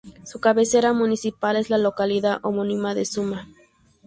Su cabecera municipal es la localidad homónima de Suma.